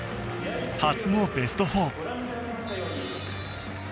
初のベスト４。